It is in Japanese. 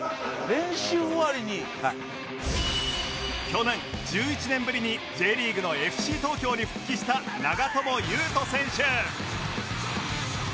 去年１１年ぶりに Ｊ リーグの ＦＣ 東京に復帰した長友佑都選手